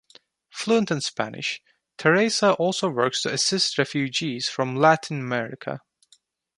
Fluent in Spanish, Teresa also works to assist refugees from Latin America.